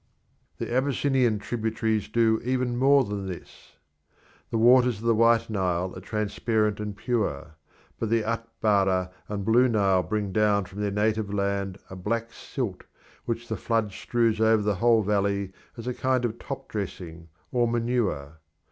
The Abyssinian tributaries do even more than this. The waters of the White Nile are transparent and pure; but the Atbara and Blue Nile bring down from their native land a black silt which the flood strews over the whole valley as a kind of top dressing or manure.